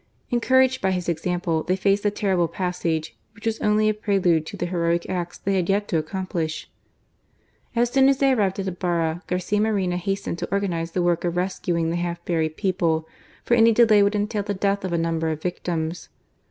Encouraged by his example, they faced the terrible passage, which was only a prelude to the heroic acts they had yet to accomplish. As soon as they arrived at Ibarra, Garcia Moreno hastened to organize the work of rescuing the half buried people, for any delay would entail the death of a number of victims.